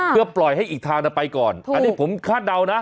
เพื่อปล่อยให้อีกทางไปก่อนอันนี้ผมคาดเดานะ